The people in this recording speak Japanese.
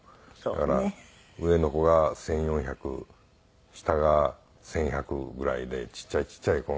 だから上の子が１４００下が１１００ぐらいでちっちゃいちっちゃい子。